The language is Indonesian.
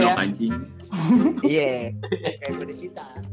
iya kayak lu diciptakan